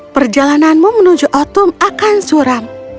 perjalananmu menuju otum akan suram